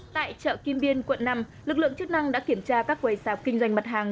tại chợ kim biên quận năm lực lượng chức năng đã kiểm tra các quầy sạp kinh doanh mặt hàng